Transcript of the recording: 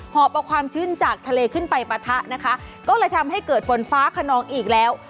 อบเอาความชื้นจากทะเลขึ้นไปปะทะนะคะก็เลยทำให้เกิดฝนฟ้าขนองอีกแล้ว